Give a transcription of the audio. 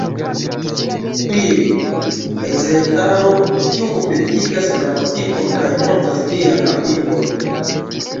Trie, Ekzercaro, kiu kompletigas la gramatikon kaj montras ĝian aplikon.